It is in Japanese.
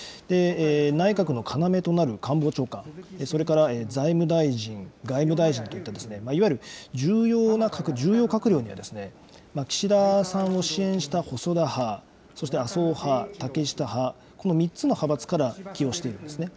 内閣の要となる官房長官、それから財務大臣、外務大臣といったいわゆる重要閣僚には、岸田さんを支援した細田派、そして麻生派、竹下派、この３つの派閥から起用しているんですね。